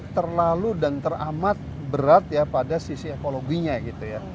terlalu dan teramat berat ya pada sisi ekologinya gitu ya